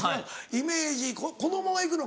イメージこのままいくの？